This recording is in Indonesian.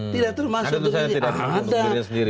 tidak termasuk untuk dirinya sendiri